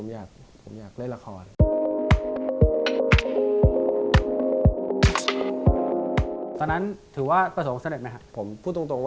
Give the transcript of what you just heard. ยากเล่นจริง